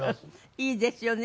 いいですよね